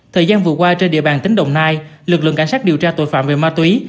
thời gian vừa qua trên địa bàn tỉnh đồng nai lực lượng cảnh sát điều tra tội phạm về ma túy